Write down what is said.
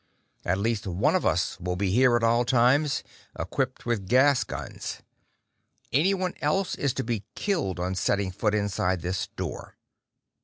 At least one of us will be here at all times, equipped with gas guns. Anyone else is to be killed on setting foot inside this door!"